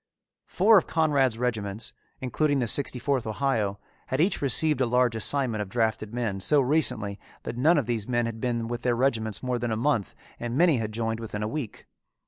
Four of Conrad's regiments, including the Sixty fourth Ohio, had each received a large assignment of drafted men so recently that none of these men had been with their regiments more than a month and many had joined within a week.